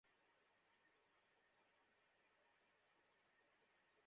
একটি খণ্ড গমের উঠানের উপর এসে স্বর্ণ বর্ষণ করে।